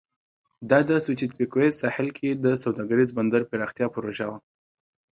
دا د سوچیتپیکویز ساحل کې د سوداګریز بندر پراختیا پروژه وه.